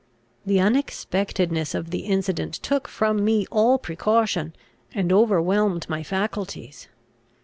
The unexpectedness of the incident took from me all precaution, and overwhelmed my faculties.